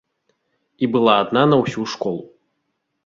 І была адна на ўсю школу.